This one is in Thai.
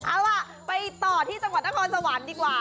เอาล่ะไปต่อที่จังหวัดนครสวรรค์ดีกว่า